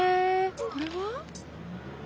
これは？